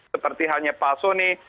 seperti halnya pak sony